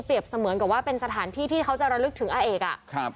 เสมือนกับว่าเป็นสถานที่ที่เขาจะระลึกถึงอาเอกอ่ะครับ